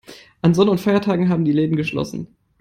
An Sonn- und Feiertagen haben die Läden geschlossen.